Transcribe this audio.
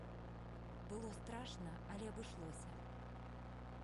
Было страшна, але абышлося.